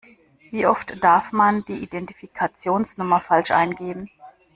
Wie oft darf man die Identifikationsnummer falsch eingeben?